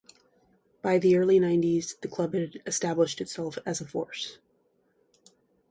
By the early nineties the club had established itself as a force.